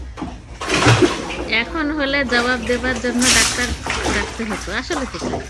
এখন হলে জবাব দেবার জন্যে ডাক্তার ডাকতে হত।